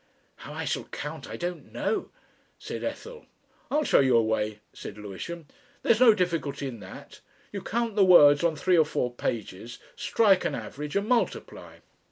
"How I shall count I don't know," said Ethel. "I'll show you a way," said Lewisham. "There's no difficulty in that. You count the words on three or four pages, strike an average, and multiply."